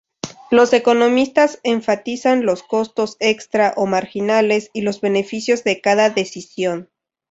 Los economistas enfatizan los costos "extra" o "marginales" y los beneficios de cada decisión.